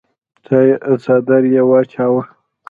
څادر يې واچاوه.